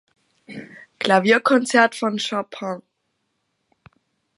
Klavierkonzert von Chopin.